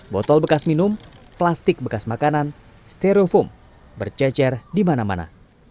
botol bekas minum plastik bekas makanan stereofoam bercecer di mana mana